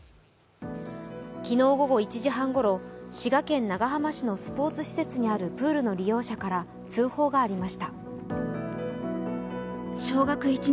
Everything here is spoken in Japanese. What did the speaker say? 昨日午後１時半頃滋賀県長浜市のスポーツ施設にあるプールの利用者から通報がありました。